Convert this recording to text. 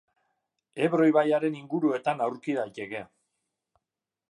Ebro ibaiaren inguruetan aurki daiteke.